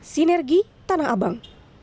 sinergi tanah abang